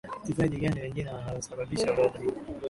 Wachezaji gani wengine wanaoshabihisha orodha hii